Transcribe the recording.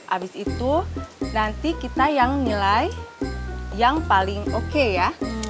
abis itu nanti kita yang nilai yang paling oke ya